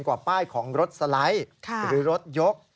กว่าป้ายของรถสไลด์หรือรถยก